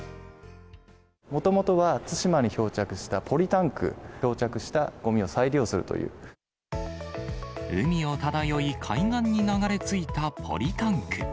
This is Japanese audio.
もともとは、対馬に漂着したポリタンク、海を漂い、海岸に流れ着いたポリタンク。